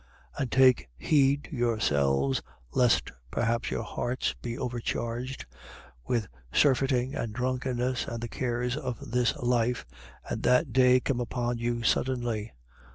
21:34. And take heed to yourselves, lest perhaps your hearts be overcharged with surfeiting and drunkenness and the cares of this life: and that day come upon you suddenly.